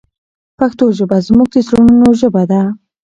پښتو ژبه زموږ د زړونو ژبه ده.